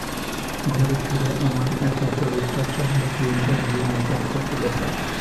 ঘরে ফিরে আমার একমাত্র রূপচর্চা হলো ক্লিনজার দিয়ে মেকআপটা তুলে ফেলা।